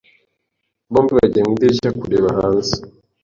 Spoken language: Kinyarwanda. Bombi bagiye mu idirishya kureba hanze.